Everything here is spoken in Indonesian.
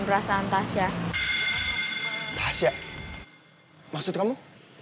pesanan tasya buat kamu